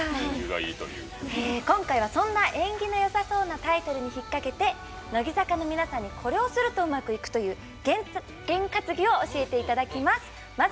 今回は、そんな縁起のよさそうなタイトルに引っ掛けて乃木坂の皆さんに「これをするとうまくいく！」という験担ぎを教えていただきます。